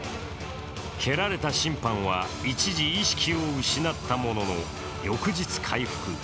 蹴られた審判は一時意識を失ったものの、翌日回復。